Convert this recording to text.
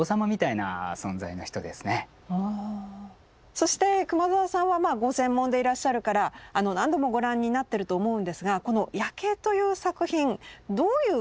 そして熊澤さんはご専門でいらっしゃるから何度もご覧になってると思うんですがこの「夜警」という作品どういうもの。